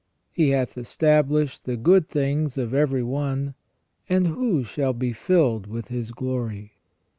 He hath established the good things of every one. And who shall be filled with His glory